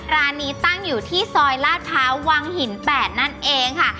ร้านนี้ตั้งอยู่ที่ซอยลาดพร้าววังหิน๘นั่นเองค่ะ